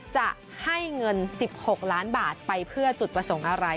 จะให้เงิน๑๖ล้านบาทไปเพื่อจุดประสงค์อะไร